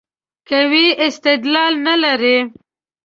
قوي استدلال نه لري.